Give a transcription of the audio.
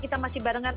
kita masih barengan